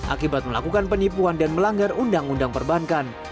akibat melakukan penipuan dan melanggar undang undang perbankan